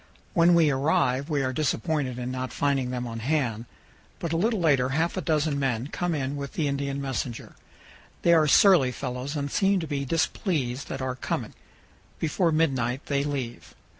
When we arrive we are disappointed in not finding them on hand, but a little later half a dozen men come in with the Indian messenger. They are surly fellows and seem to be displeased at our coming. Before midnight they leave.